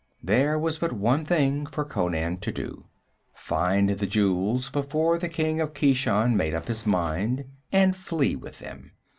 There was but one thing for Conan to do: find the jewels before the king of Keshan made up his mind and flee with them.